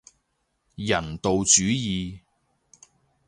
人道主義